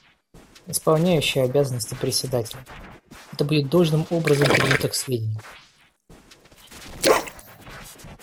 Исполняющий обязанности Председателя: Это будет должным образом принято к сведению.